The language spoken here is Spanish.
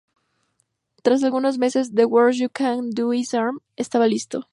Tras algunos meses, "The Worst You Can Do Is Harm" estaba listo.